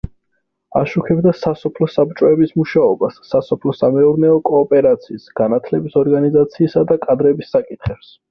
აშუქებდა სასოფლო საბჭოების მუშაობას, სასოფლო-სამეურნეო კოოპერაციის, განათლების ორგანიზაციისა და კადრების საკითხებს.